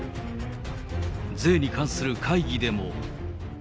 税に関する会議でも。